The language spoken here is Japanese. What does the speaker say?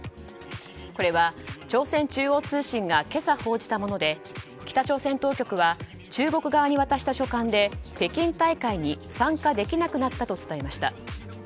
これは朝鮮中央通信が今朝報じたもので北朝鮮当局は中国側に渡した書簡で北京大会に参加できなくなったと伝えました。